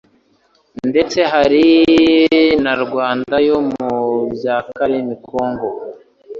ndetse hari na Rwanda yo mu bya Kalemi Congo